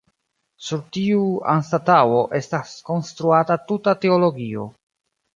Sur tiu anstataŭo estas konstruata tuta teologio.